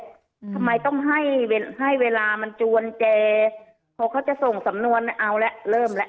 ทำไมต้องให้ให้เวลามันจวนแกพอเขาจะส่งสำนวนเอาแล้วเริ่มแล้ว